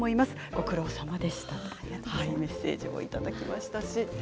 ご苦労さまでしたというメッセージもいただきました。